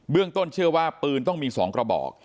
เบื้องต้นเชื่อว่าปืนต้องมีสองกระบอก